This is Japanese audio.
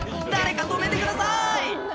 誰か止めてください！